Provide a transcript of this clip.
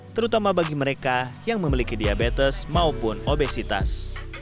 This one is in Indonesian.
terutama bagi mereka yang memiliki diabetes maupun obesitas